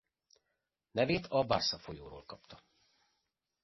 Nevét a Barca folyóról kapta.